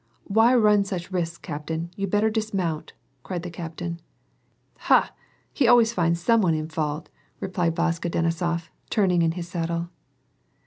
" Why run such risks, captain, you'd better dismount,'* cried the captain. " He ! he always finds some one in fault," replied Vaska Denisofy turning in his saddle.